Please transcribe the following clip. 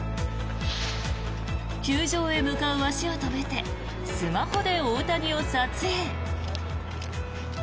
球場へ向かう足を止めてスマホで大谷を撮影。